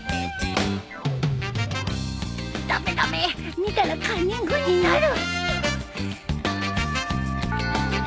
駄目駄目見たらカンニングになる！